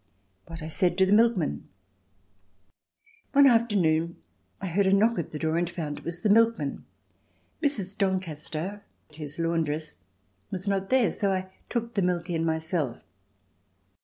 What I Said to the Milkman One afternoon I heard a knock at the door and found it was the milkman. Mrs. Doncaster [his laundress] was not there, so I took in the milk myself.